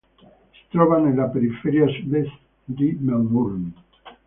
Si trova nella periferia sud-est di Melbourne.